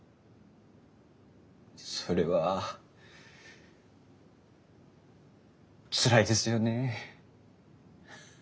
それはつらいですよねえ。